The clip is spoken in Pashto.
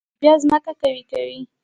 لوبیا ځمکه قوي کوي.